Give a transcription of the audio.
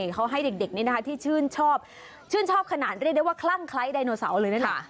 เขาให้เด็กที่ชื่นชอบชื่นชอบขนาดเรียกได้ว่าคลั่งคล้ายไดนโนเสาเลยนะค่ะ